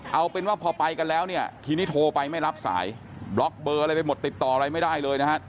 เอาเป็นว่าพอไปกันแล้วเนี่ยทีนี้โทรไปไม่รับสายบล็อกเบอร์อะไรไปหมดติดต่ออะไรไม่ได้เลยนะฮะ